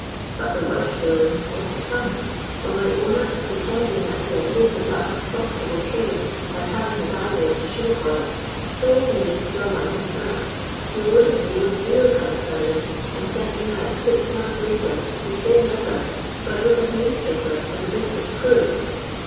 But the worst villainy was to come; for my owner, pretending that he had opened up a profitable trade, and having his ivory to show for it, sold me to a London firm, who loaded me with real gunpowder and sent me out, six months later, to the same river, but with a new skipper and a different crew.